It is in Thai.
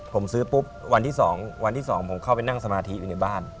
ผมซื้อปุ๊บวันที่๒ผมเข้าไปนั่งโสมาธิในบ้าน